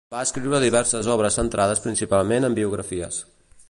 Va escriure diverses obres centrades principalment en biografies.